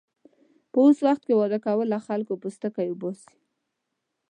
په اوس وخت کې واده کړل، له خلکو پوستکی اوباسي.